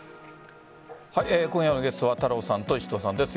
今夜のゲストは太郎さんと石戸さんです。